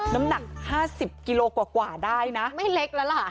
น้ำหนัก๕๐กิโลกว่าได้นะไม่เล็กแล้วล่ะ